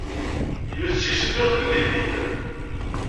Yiwet seg-sent ur telli din.